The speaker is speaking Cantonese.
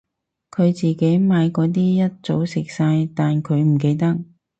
佢自己買嗰啲一早食晒但佢唔記得